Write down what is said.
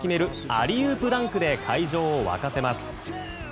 アリウープダンクで会場を沸かせます。